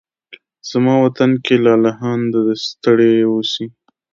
زما وطن کې لالهانده ستړي اوسې